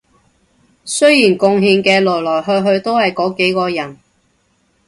雖然貢獻嘅來來去去都係嗰幾個人